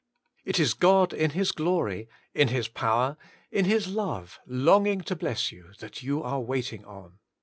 It is God in His glory, in H!is power, in His love longing to bless you that you are waiting on.'